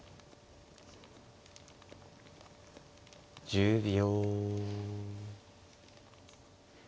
１０秒。